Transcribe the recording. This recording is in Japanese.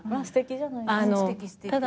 すてきじゃない。